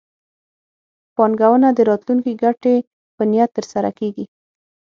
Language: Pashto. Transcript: پانګونه د راتلونکي ګټې په نیت ترسره کېږي.